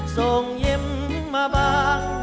ส่งยิ้มมาบาง